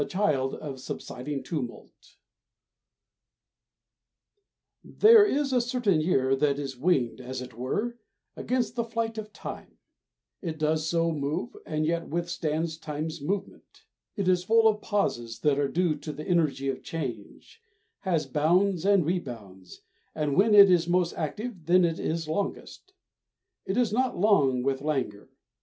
THE CHILD OF SUBSIDING TUMULT There is a certain year that is winged, as it were, against the flight of time; it does so move, and yet withstands time's movement. It is full of pauses that are due to the energy of change, has bounds and rebounds, and when it is most active then it is longest. It is not long with languor.